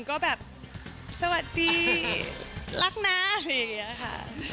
ก็แบบสวัสดีรักนะแบบนี้ค่ะ